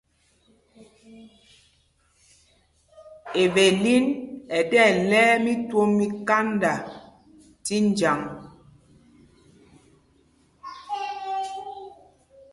Evelin ɛ tí ɛlɛ̄y mí twôm mí kánda tí njǎŋ.